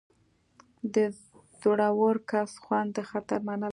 د زړور کس خوند د خطر منل دي.